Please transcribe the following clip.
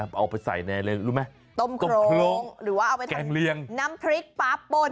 แล้วผมเอาไปใส่นี่เลยรู้ไหมต้มโคลงหรือว่าเอาไปแกงเลียงน้ำพริกปลาปน